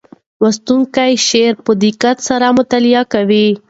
لوستونکی شعر په دقت سره مطالعه کوي.